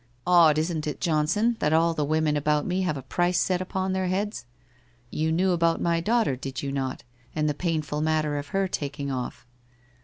' Odd isn't it, Johnson, that all the women about me have a price set upon their heads? You knew about my daughter, did not you, and the painful matter of her taking off?